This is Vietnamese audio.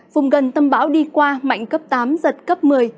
vùng gần tâm bão đi qua mạnh cấp tám giật cấp một mươi